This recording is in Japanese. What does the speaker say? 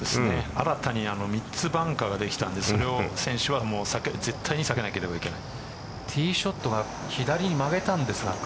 新たに３つバンカーができたんですけど選手は絶対に避けなければいけない。